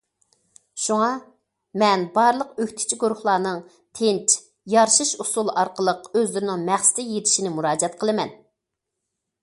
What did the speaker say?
شۇڭا، مەن بارلىق ئۆكتىچى گۇرۇھلارنىڭ تىنچ، يارىشىش ئۇسۇلى ئارقىلىق ئۆزلىرىنىڭ مەقسىتىگە يېتىشىنى مۇراجىئەت قىلىمەن.